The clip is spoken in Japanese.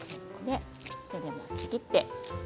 手でちぎって。